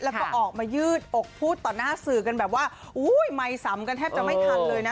แล้วก็ออกมายืดอกพูดต่อหน้าสื่อกันแบบว่าอุ้ยไมค์สำกันแทบจะไม่ทันเลยนะ